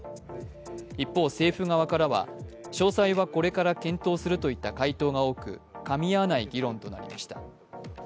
一方、政府側からは詳細はこれから検討するといった回答が多くかみ合わない議論となりました。